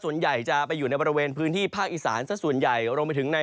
ส่วนใหญ่จะไปอยู่ในบริเวณพื้นที่ภาคอีสานสักส่วนใหญ่รวมไปถึงใน